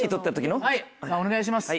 はいお願いします。